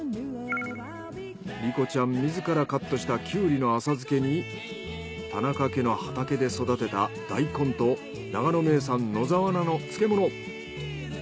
莉心ちゃん自らカットしたキュウリの浅漬けに田中家の畑で育てたダイコンと長野名産野沢菜の漬物。